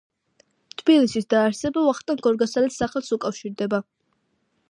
თბილისის დაარსება ვახტანგ გორგასალის სახელს უკავშირდება.